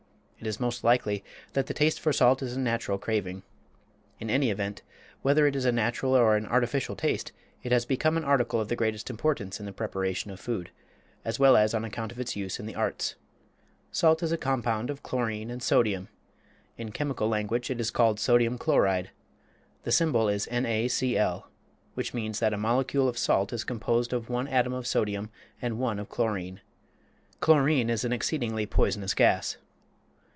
It is most likely that the taste for salt is a natural craving. In any event, whether it is a natural or an artificial taste, it has become an article of the greatest importance in the preparation of food, as well as on account of its use in the arts. Salt is a compound of chlorine and sodium. In chemical language it is called sodium chloride. The symbol is NaCl, which means that a molecule of salt is composed of one atom of sodium and one of chlorine. Chlorine is an exceedingly poisonous gas.